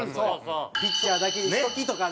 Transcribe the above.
ピッチャーだけにしときとかね。